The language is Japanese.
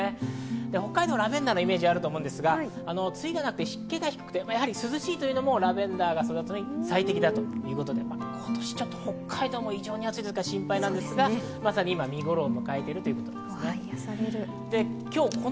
北海道ラベンダーのイメージありますが、梅雨がなく湿気がなくて涼しいというのがラベンダーに最適だということで、今年は北海道も暑くて心配ですが今、見頃を迎えるということですね。